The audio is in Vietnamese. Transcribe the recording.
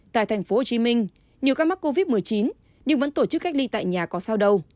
tại thành phố hồ chí minh nhiều ca mắc covid một mươi chín nhưng vẫn tổ chức cách ly tại nhà có sao đâu